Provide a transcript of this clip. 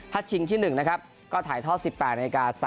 ถ้าชิงที่๑ถ่ายท่อ๑๘น๓๕น